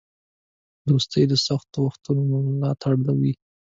دوستي د سختو وختونو ملاتړی وي.